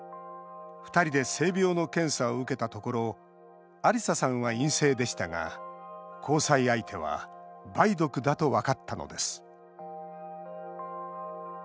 ２人で性病の検査を受けたところアリサさんは陰性でしたが交際相手は梅毒だと分かったのです。